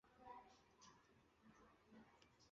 道光十二年十月初八日因张丙民变事件而阵亡殉职。